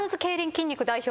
筋肉代表